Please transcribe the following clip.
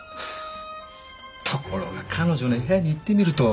ところが彼女の部屋に行ってみると。